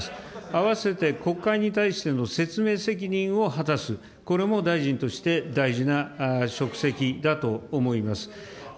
併せて国会に対しての説明責任を果たす、これも大臣として大事な職責だと思います。